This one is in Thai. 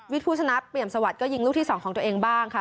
ผู้ชนะเปรียมสวัสดิ์ก็ยิงลูกที่๒ของตัวเองบ้างค่ะ